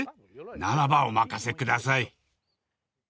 ならばお任せ下さい。